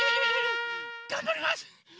がんばります！